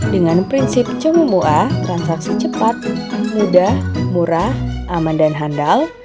dengan prinsip cemua transaksi cepat mudah murah aman dan handal